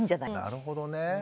なるほどね。